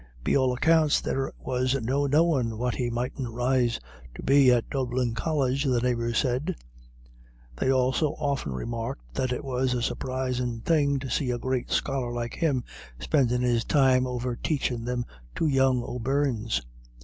"Be all accounts there was no knowin' what he mightn't rise to be at Dublin College," the neighbours said. They also often remarked that it was "a surprisin' thing to see a great scholar like him spendin' his time over taichin' thim two young O'Beirnes."